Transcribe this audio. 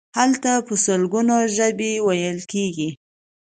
هلته په سلګونو ژبې ویل کیږي.